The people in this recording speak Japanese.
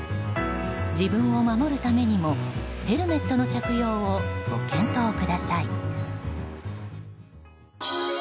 自分を守るためにもヘルメットの着用をご検討ください。